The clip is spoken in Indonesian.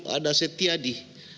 ada seti adi